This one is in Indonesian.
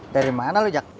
dari mana lo jak